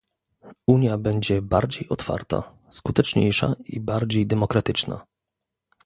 Unia będzie bardziej otwarta, skuteczniejsza i bardziej demokratyczna